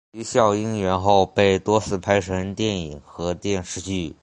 啼笑因缘后被多次拍成电影和电视剧。